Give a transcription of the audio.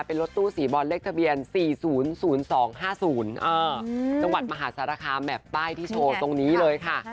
เป็นรถตู้สีบอลเลขทะเบียน๔๐๐๒๕๐จังหวัดมหาสารคามแบบป้ายที่โชว์ตรงนี้เลยค่ะ